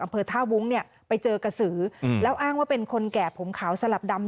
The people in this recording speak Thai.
อำเภอท่าวุ้งเนี่ยไปเจอกระสือแล้วอ้างว่าเป็นคนแก่ผมขาวสลับดำ